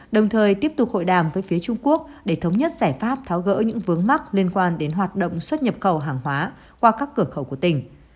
đồng thời tiếp tục hội đàm với phía trung quốc để thống nhất giải pháp tháo gỡ những vướng mắc liên quan đến hoạt động xuất nhập khẩu hàng hóa qua các cửa khẩu của tỉnh